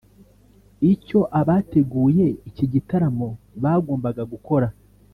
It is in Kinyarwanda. Icyo abateguye iki gitaramo bagombaga gukora